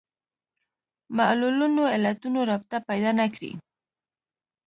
معلولونو علتونو رابطه پیدا نه کړي